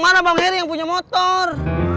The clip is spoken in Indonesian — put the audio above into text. mana bang heri yang punya motor